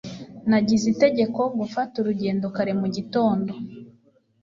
Nagize itegeko gufata urugendo kare mu gitondo